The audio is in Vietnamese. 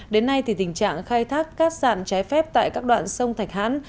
đến nay thì tình trạng khai thác cát sản trái phép tại các đoạn sông thạch hãn